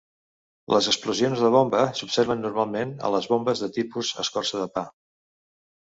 Les explosions de bomba s'observen normalment a les bombes de tipus "escorça de pa".